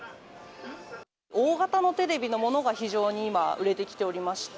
大型のテレビのものが非常に今、売れてきておりまして。